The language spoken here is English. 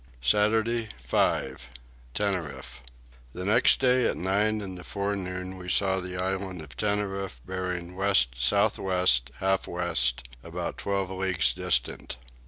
Saturday 5. Tenerife. The next day at nine in the forenoon we saw the island of Tenerife bearing west south west half west about twelve leagues distant.